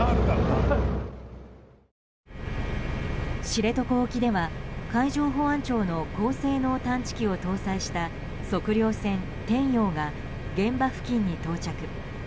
知床沖では海上保安庁の高性能探知機を搭載した測量船「天洋」が現場付近に到着。